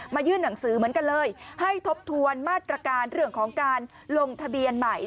ยื่นหนังสือเหมือนกันเลยให้ทบทวนมาตรการเรื่องของการลงทะเบียนใหม่